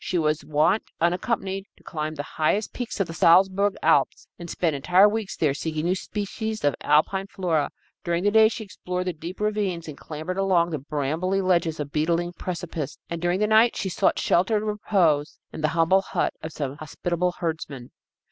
She was wont, unaccompanied, to climb the highest peaks of the Salzburg Alps, and spend entire weeks there seeking new species of Alpine flora. During the day she explored the deep ravines and clambered along the brambly ledges of beetling precipices, and during the night she sought shelter and repose in the humble hut of some hospitable herdsman.